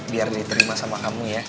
biar diterima sama kamu ya